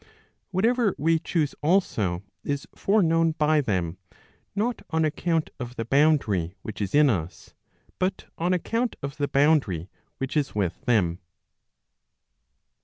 Whatever we choose also, is foreknown by them, not on account of the boundary which is in us, but on account of the boundary which is with them.